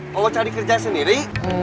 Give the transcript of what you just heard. mau cari kerja sendiri